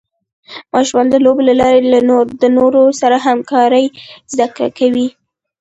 ماشومان د لوبو له لارې د نورو سره همکارۍ زده کوي.